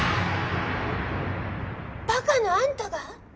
バカのあんたが？